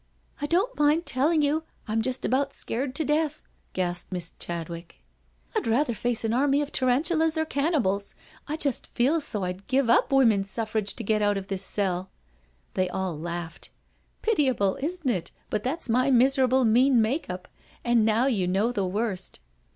" I don't mind telling you, I'm just about scared to death/' gasped poor Miss Chadwick. "I'd rather face an army of tarantulas or cannibals — I just feel so I'd give up Women's Suffrage to get out of this cell/' They all laughed. " Pitiable, isn't it, but that's my miserable mean make up, and now you know the worst."